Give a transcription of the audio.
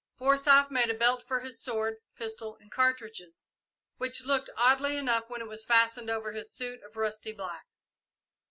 Forsyth made a belt for his sword, pistol, and cartridges, which looked oddly enough when it was fastened over his suit of rusty black.